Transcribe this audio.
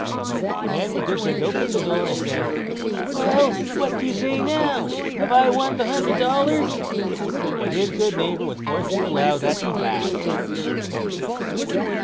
Then Gudbrand opened the door and said; "Well, what do you say now? Have I won the hundred dollars?" and his neighbour was forced to allow that he had.